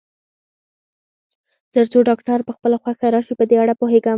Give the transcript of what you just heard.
تر څو ډاکټر په خپله خوښه راشي، په دې اړه پوهېږم.